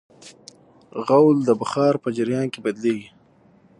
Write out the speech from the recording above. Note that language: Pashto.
غول د بخار په جریان کې بدلېږي.